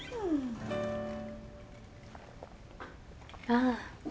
ああ。